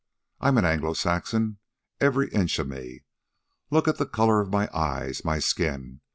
"I'm an Anglo Saxon, every inch of me. Look at the color of my eyes, my skin.